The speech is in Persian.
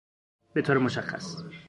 بطور مشخص